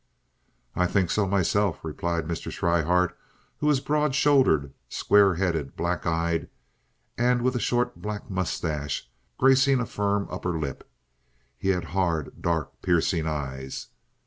"I think so myself," replied Mr. Schryhart, who was broad shouldered, square headed, black eyed, and with a short black mustache gracing a firm upper lip. He had hard, dark, piercing eyes.